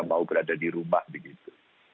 mau berada di rumah begitu